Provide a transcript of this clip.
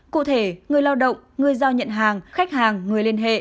cụ thể người lao động người giao nhận hàng khách hàng người liên hệ